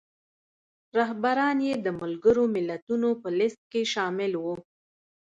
رهبران یې د ملګرو ملتونو په لیست کې شامل وو.